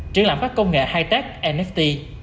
triển lãm các công nghệ high tech nft